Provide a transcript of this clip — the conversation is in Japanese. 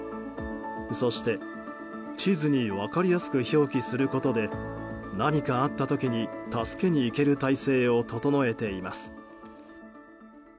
そして、地図に分かりやすく表記することで何かあった時に助けに行ける体制を整えています。